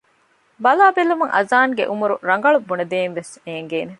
ބަލާ ބެލުމަށް އަޒާން ގެ އުމުރު ރަނގަޅަށް ބުނެދޭން ވެސް ނޭނގޭނެ